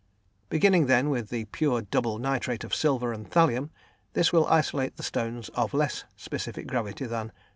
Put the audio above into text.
Beginning then with the pure double nitrate of silver and thallium, this will isolate the stones of less specific gravity than 4.